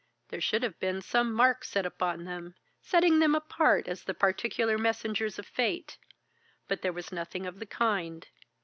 There should have been some mark set upon them, setting them apart as the particular messengers of fate. But there was nothing of the kind.